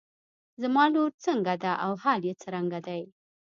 زما لور څنګه ده او حال يې څرنګه دی.